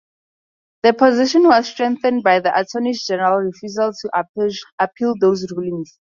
The position was strengthened by the Attorney General's refusal to appeal those rulings.